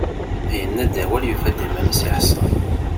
Yenna-d awal, yufa-d iman-is iḥṣel.